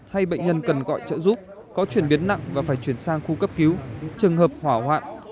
hay bệnh nhân cần gọi trợ giúp có chuyển biến nặng và phải chuyển sang khu cấp cứu trường hợp hỏa hoạn